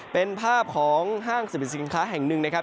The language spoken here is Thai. เป็นภาพของห้างสรรพสินค้าแห่งหนึ่งนะครับ